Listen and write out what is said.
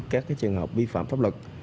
các trường hợp bi phạm pháp lực